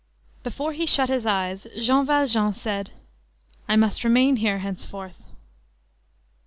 Before he shut his eyes, Jean Valjean said: "I must remain here henceforth."